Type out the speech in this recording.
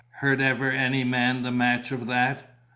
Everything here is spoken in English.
Heard ever any man the match of that?